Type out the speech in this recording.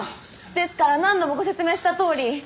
ですから何度もご説明したとおり。